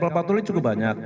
baik kapal patroli cukup banyak